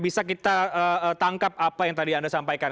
bisa kita tangkap apa yang tadi anda sampaikan